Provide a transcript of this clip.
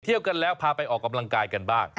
เที่ยวกันแล้วพาไปออกกำลังกายกันบ้าง